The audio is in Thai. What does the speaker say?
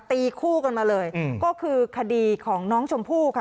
ตีคู่กันมาเลยก็คือคดีของน้องชมพู่ค่ะ